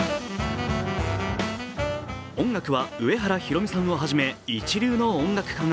音楽は上原ひろみさんをはじめ一流の音楽家が。